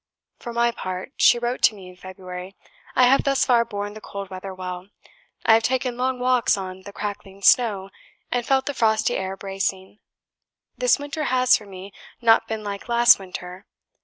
"For my part," (she wrote to me in February) "I have thus far borne the cold weather well. I have taken long walks on the crackling snow, and felt the frosty air bracing. This winter has, for me, not been like last winter.